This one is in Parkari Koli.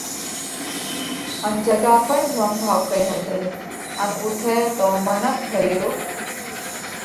ان جڳا پڻ جوم ٺائُوڪئي هتئي ان اُوٿئہ تون منک ٺيو